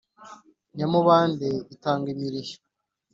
nyamibande itanga imirishyo.